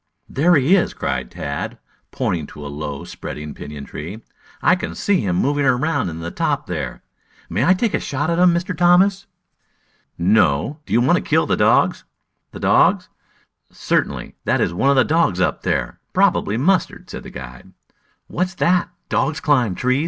"There he is!" cried Tad, pointing to a low spreading pinyon tree. "I can see him moving around in the top there. May I take a shot at him, Mr. Thomas?" "No; do you want to kill the dogs?" "The dogs?" "Certainly. That is one of the dogs up there. Probably Mustard," said the guide. "What's that? Dogs climb trees?"